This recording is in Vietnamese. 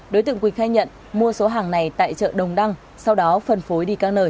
đối tượng quỳnh khai nhận mua số hàng này tại chợ đồng đăng sau đó phân phối đi các nơi